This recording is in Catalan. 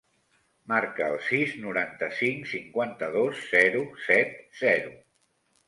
Marca el sis, noranta-cinc, cinquanta-dos, zero, set, zero.